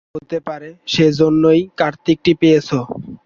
তা হতে পারে, সেইজন্যেই কার্তিকটি পেয়েছ!